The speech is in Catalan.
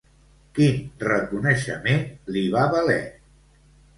Quin reconeixement li va valer?